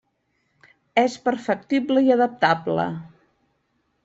És perfectible i adaptable.